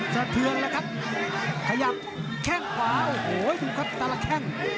สะเทือนแล้วครับขยับแข้งขวาโอ้โหดูครับแต่ละแข้ง